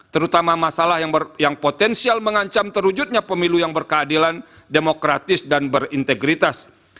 terutama masalah yang potensial mengancam terwujudnya pemilu yang berkeadilan demokratis dan berintegritas